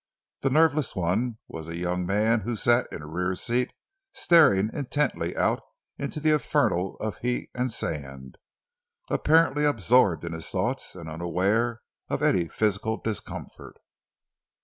The nerveless one was a young man who sat in a rear seat staring intently out into the inferno of heat and sand, apparently absorbed in his thoughts and unaware of any physical discomfort.